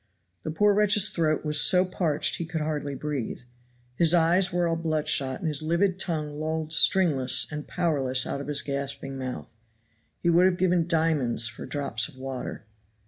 The poor wretch's throat was so parched he could hardly breathe. His eyes were all bloodshot and his livid tongue lolled stringless and powerless out of his gasping mouth. He would have given diamonds for drops of water.